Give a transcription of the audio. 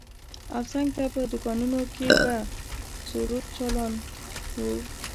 او څنگ ته په دوکانونو کښې به سروذ چالان و.